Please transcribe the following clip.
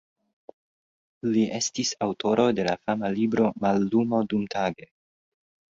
Li estis aŭtoro de la fama libro "Mallumo dumtage".